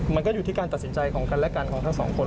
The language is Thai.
มันก็อยู่ที่การตัดสินใจของกันและกันของทั้งสองคน